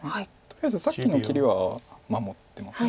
とりあえずさっきの切りは守ってます